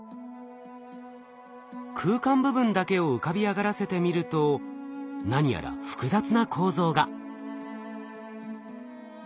空間部分だけを浮かび上がらせてみると何やら複雑な構造が。